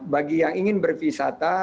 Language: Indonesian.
bagi yang ingin berwisata